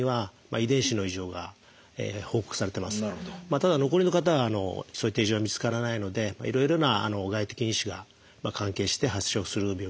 ただ残りの方はそういった異常は見つからないのでいろいろな外的因子が関係して発症する病気だっていうふうにいわれてます。